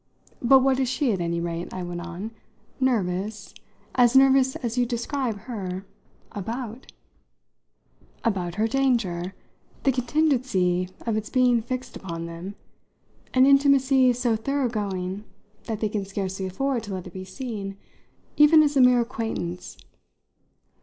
But what is she, at any rate," I went on, "nervous as nervous as you describe her about?" "About her danger; the contingency of its being fixed upon them an intimacy so thoroughgoing that they can scarcely afford to let it be seen even as a mere acquaintance.